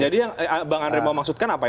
jadi yang bang andre mau maksudkan apa